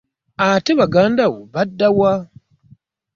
Ate baganda bo badda wa?